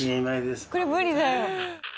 これ無理だよ。